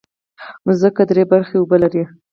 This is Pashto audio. مځکه درې برخې اوبه لري.